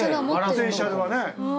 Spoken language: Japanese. ポテンシャルはね。